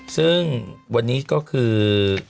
ซึ่งวันนี้ก็คือ